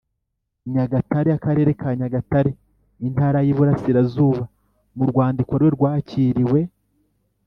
Nyagatare akarere ka nyagatare intara y iburasirazuba mu rwandiko rwe rwakiriwe